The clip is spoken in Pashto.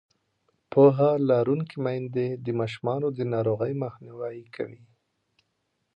پوهه لرونکې میندې د ماشومانو د ناروغۍ مخنیوی کوي.